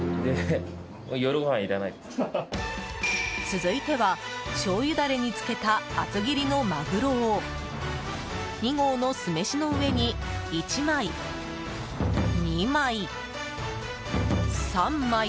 続いてはしょうゆダレに漬けた厚切りのマグロを２合の酢飯の上に１枚、２枚、３枚。